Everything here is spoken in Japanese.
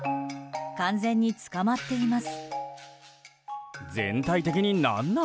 完全に捕まっています。